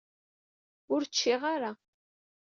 Ur ččiɣ ara.